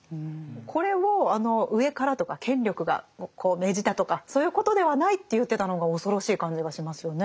これを上からとか権力がこう命じたとかそういうことではないって言ってたのが恐ろしい感じがしますよね。